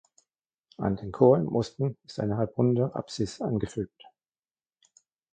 An den Chor im Osten ist eine halbrunde Apsis angefügt.